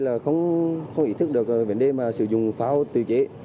là không ý thức được vấn đề mà sử dụng pháo tự chế